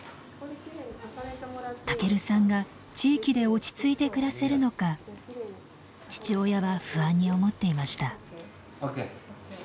たけるさんが地域で落ち着いて暮らせるのか父親は不安に思っていました。